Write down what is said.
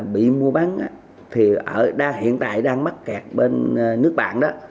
bị mua bán thì hiện tại đang mắc kẹt bên nước bạn đó